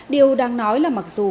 điều đang nói là mặc dù